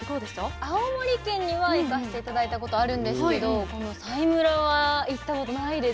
青森県には行かして頂いたことあるんですけどこの佐井村は行ったことないですね。